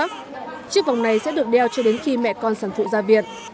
trước đó chiếc vòng này sẽ được đeo cho đến khi mẹ con sản phụ ra viện